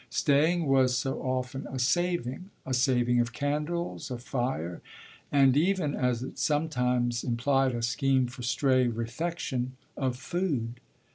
"Staying" was so often a saving a saving of candles, of fire and even (as it sometimes implied a scheme for stray refection) of food.